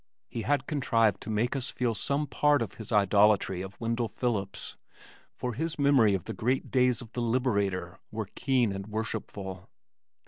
He had contrived to make us feel some part of his idolatry of Wendell Phillips, for his memory of the great days of The Liberator were keen and worshipful.